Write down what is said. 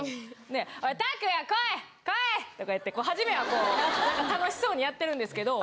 で「おいタクヤ来い！来い！」とか言ってはじめはこう楽しそうにやってるんですけど。